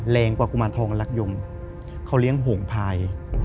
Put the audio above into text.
กว่ากุมารทองรักยมเขาเลี้ยงโหงพาย